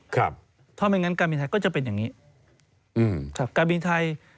เพราะไม่งั้นการบินไทยก็จะเป็นอย่างนี้